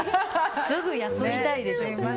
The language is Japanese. すぐ休みたいでしょ。